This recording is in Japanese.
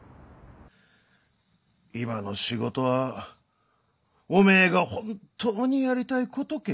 今の仕事はおめえが本当にやりたいことけえ？